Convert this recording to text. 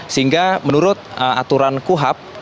sehingga menurut aturan kuhap